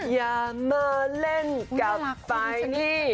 ยาเมอร์เล่นกับไฟนี่